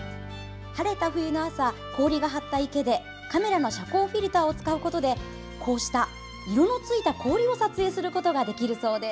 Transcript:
晴れた冬の朝、氷が張った池でカメラの遮光フィルターを使うことでこうした色のついた氷を撮影することができるそうです。